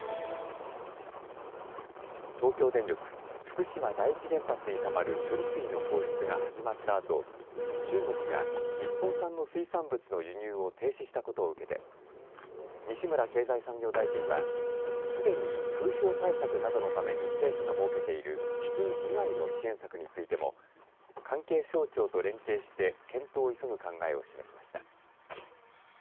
東京電力福島第一原発にたまる処理水の放出が始まったあと中国が日本産の水産物の輸入を停止したことを受けて西村経済産業大臣はすでに風評対策などのために政府が設けている基金以外の支援策についても関係省庁と連携して検討を急ぐ考えを示しました。